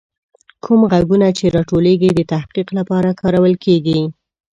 کوم غږونه چې راټولیږي، د تحقیق لپاره کارول کیږي.